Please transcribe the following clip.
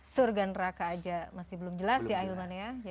surga neraka aja masih belum jelas ya ayulman ya